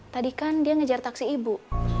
tadi kan dia ngejar taksi ibu